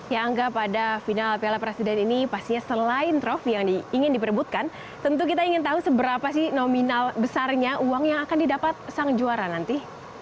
ya angga pada final piala presiden ini pastinya selain trofi yang ingin diperbutkan tentu kita ingin tahu seberapa sih nominal besarnya uang yang akan didapat sang juara nanti